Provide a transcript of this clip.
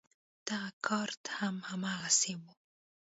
دغه کارت هم هماغسې و.